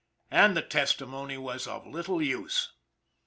And the testimony was of little use.